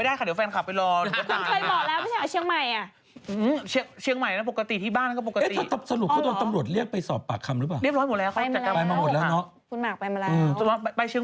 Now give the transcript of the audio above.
แต่ถ้าเป็นอินโนเซนต์แอคที่ที่เลือกอังเทอร์สารแหน่รู้เยอะอย่างนี้เธอ